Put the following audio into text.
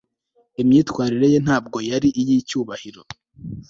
Imyitwarire ye ntabwo yari iyicyubahiro